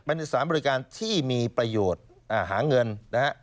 เป็นสารบริการที่มีประโยชน์หาเงินนะฮะ